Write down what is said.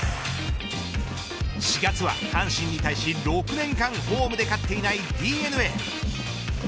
４月は阪神に対し６年間ホームで勝っていないＤｅＮＡ。